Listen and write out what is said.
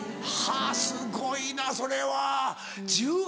はぁすごいなそれは。